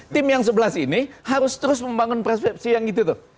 tim yang sebelas ini harus terus membangun persepsi yang gitu tuh